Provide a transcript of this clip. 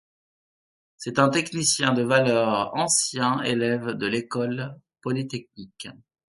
C'était un technicien de valeur, ancien élève de l'École polytechnique.